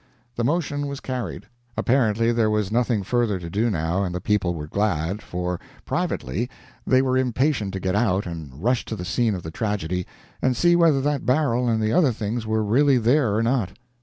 The motion was carried. Apparently there was nothing further to do now, and the people were glad, for, privately, they were impatient to get out and rush to the scene of the tragedy, and see whether that barrel and the other things were really there or not.